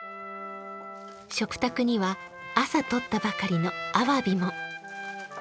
食卓には朝取ったばかりのあわびも！